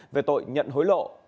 về tội nhận hối lộ